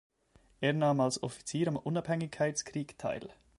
Er nahm als Offizier am Unabhängigkeitskrieg teil.